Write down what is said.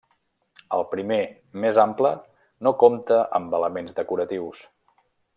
El primer, més ample, no compta amb elements decoratius.